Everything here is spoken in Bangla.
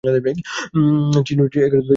চিনো বেশ মিষ্টি ছেলে।